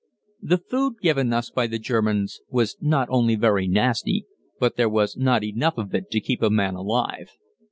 The food given us by the Germans was not only very nasty, but there was not enough of it to keep a man alive.